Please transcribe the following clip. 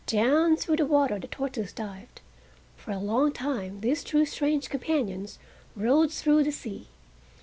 Down through the water the tortoise dived. For a long time these two strange companions rode through the sea.